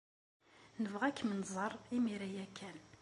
Nebɣa ad kem-nẓer imir-a ya kan.